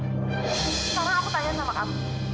sekarang aku tanyain sama kamu